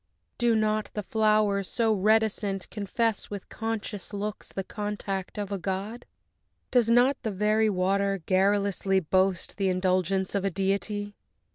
Do not the flowers, so reticent, confess With conscious looks the contact of a god? Does not the very water garrulously Boast the indulgence of a deity?